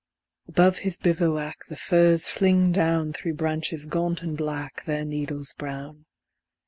Above his bivouac the firs fling down Through branches gaunt and black, their needles brown.